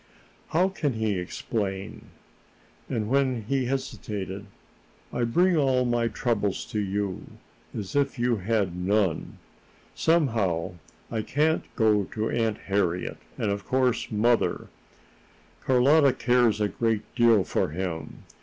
"How can he explain?" And, when he hesitated: "I bring all my troubles to you, as if you had none. Somehow, I can't go to Aunt Harriet, and of course mother Carlotta cares a great deal for him.